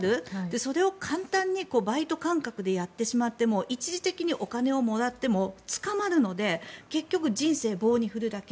それを簡単にバイト感覚でやってしまって一時的にお金をもらっても捕まるので結局、人生を棒に振るだけ。